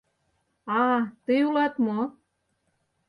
А-а, тый улат мо!